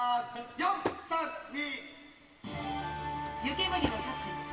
４・３・２。